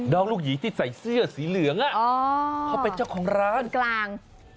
ลูกหญิงที่ใส่เสื้อสีเหลืองเขาเป็นเจ้าของร้านคนกลาง